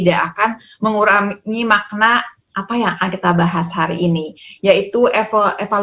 gak pakai masker bisa mati